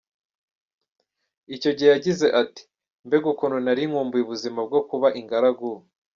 Icyo gihe yagize ati “Mbega ukuntu nari nkumbuye ubuzima bwo kuba ingaragu.